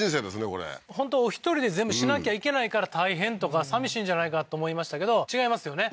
これ本当お一人で全部しなきゃいけないから大変とかさみしいんじゃないかと思いましたけど違いますよね